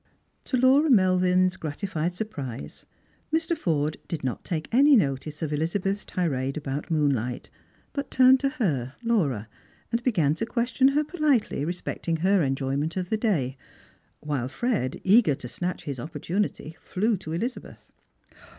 To Laura Mc'lvin's gratified surprise, Mr. Forde did not take any notice of Ehzabeth's tirade about moonlight, but turned to her, Laura, and began to question her politely respecting her enjoyment of the day, while Fred, eager to snatch his oppor tunity, flew to Elizabeth.